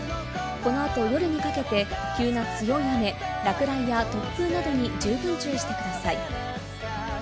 この後、夜にかけて急な強い雨、落雷や突風などに十分注意してください。